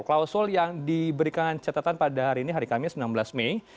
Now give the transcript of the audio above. klausul yang diberikan catatan pada hari ini hari kamis enam belas mei